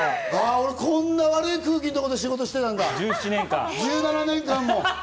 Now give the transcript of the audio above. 俺、こんな空気悪いところで仕事していたんだ、１７年間も。